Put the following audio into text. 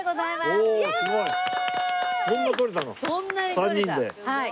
すごい。